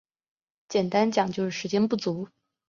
简单讲就是时间不足